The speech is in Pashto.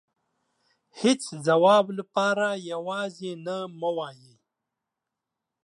هيچ ځواب لپاره يوازې نه مه وايئ .